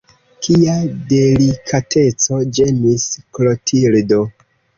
Kia delikateco, ĝemis Klotildo.